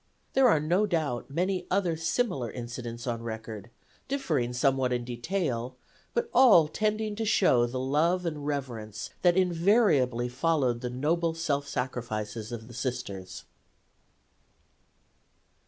There are no doubt many other similar incidents on record, differing somewhat in detail, but all tending to show the love and reverence that invariably followed the noble self sacrifices of the Sisters.